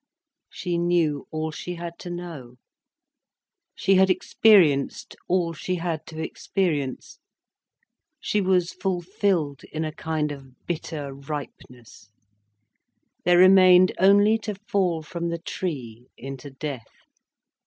She knew all she had to know, she had experienced all she had to experience, she was fulfilled in a kind of bitter ripeness, there remained only to fall from the tree into death.